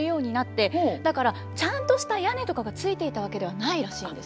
だからちゃんとした屋根とかがついていたわけではないらしいんです。